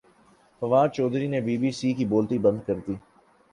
فواد چوہدری نے B B C کی بولتی بند کردی